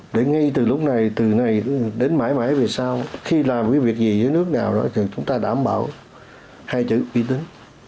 để ngay từ lúc này từ ngày đến mãi mãi về sau khi làm cái việc gì với nước nào đó thì chúng ta đảm bảo hay chữ uy tín